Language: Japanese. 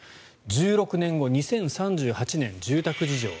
１６年後、２０３８年住宅事情。